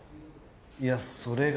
いやそれが。